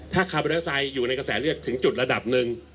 ถ้าคาร์โมนไดออกไซด์อยู่ในกระแสเลือดถึงจุดระดับนึง